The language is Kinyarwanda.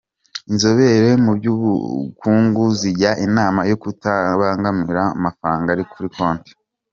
Inzobere mu by’ubukungu zijya inama yo kutarangamira ku mafaranga ari kuri konti.